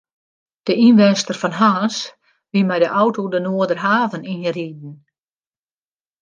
De ynwenster fan Harns wie mei de auto de Noarderhaven yn riden.